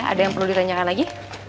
ada yang perlu ditanyakan lagi